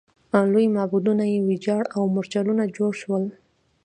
لوی معبدونه یې ویجاړ او مورچلونه جوړ شول.